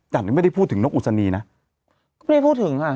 ไม่ได้พูดถึงนกอุศนีนะก็ไม่ได้พูดถึงค่ะ